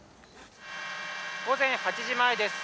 午前８時前です。